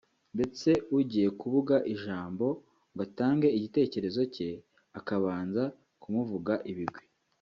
ndetse ugiye kubuga ijambo ngo atange igitekerezo cye akabanza kumuvuga ibigwi